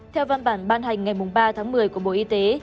theo văn bản ban hành ngày ba tháng một mươi của bộ y tế